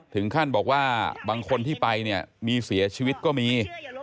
ถึงขั้นบอกว่าบางคนที่ไปเนี่ยมีเสียชีวิตก็มี